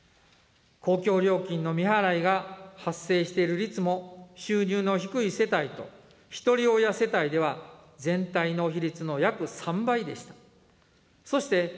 公共料金の未払いが発生している率も、収入の低い世帯とひとり親世帯では全体の比率の約３倍でした。